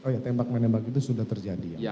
oh iya tembak menembak itu sudah terjadi